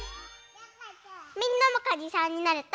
みんなもかにさんになれた？